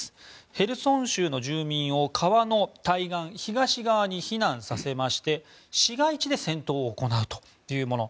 ヘルソン州の住民を川の対岸東側に避難させまして市街地で戦闘を行うというもの。